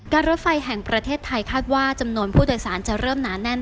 รถไฟแห่งประเทศไทยคาดว่าจำนวนผู้โดยสารจะเริ่มหนาแน่น